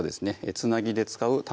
つなぎで使う卵